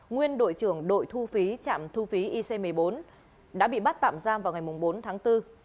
nguyên đội trưởng đội thu phí trạm thu phí ic một mươi bốn đã bị bắt tạm giam vào ngày bốn tháng bốn